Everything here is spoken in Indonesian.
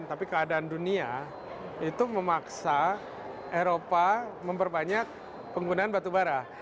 tapi keadaan dunia itu memaksa eropa memperbanyak penggunaan batu bara